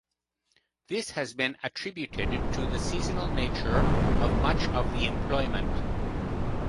This has been attributed to the seasonal nature of much of the employment.